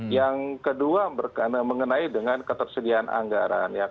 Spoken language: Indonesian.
yang kedua mengenai dengan ketersediaan anggaran